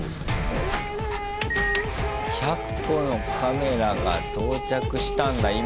１００個のカメラが到着したんだ今。